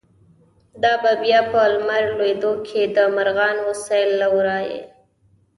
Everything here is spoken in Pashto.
“دا به بیا په لمر لویدو کی، د مرغانو سیل له ورایه